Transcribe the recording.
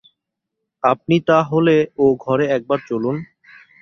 আপনি তা হলে ও ঘরে একবার চলুন।